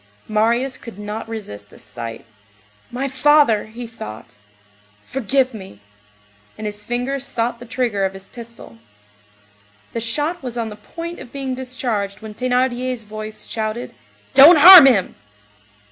Marius could not resist this sight. "My father," he thought, "forgive me!" And his finger sought the trigger of his pistol. The shot was on the point of being discharged when Thénardier's voice shouted:— "Don't harm him!"